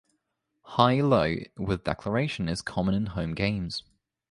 High-low with declaration is common in home games.